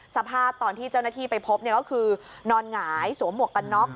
สภาพตอนที่เจ้าหน้าที่ไปพบก็คือนอนหงายสวมหมวกกันน็อก